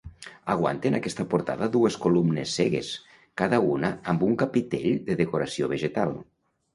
Aguanten aquesta portada dues columnes cegues, cada una amb un capitell de decoració vegetal.